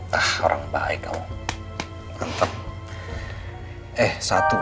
hai ah orang baik kau mantap eh satu